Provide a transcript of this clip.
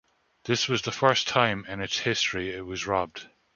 This was the first time in its history it was robbed.